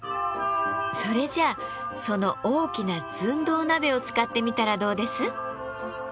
それじゃあその大きな寸胴鍋を使ってみたらどうです？